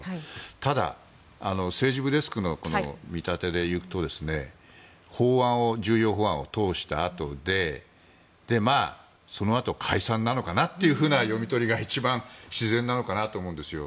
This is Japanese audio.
ただ政治部デスクの見立てでいうと重要法案を通したあとでそのあと解散なのかなというふうな読み取りが一番自然なのかなと思うんですよ。